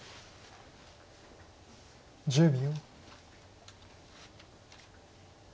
１０秒。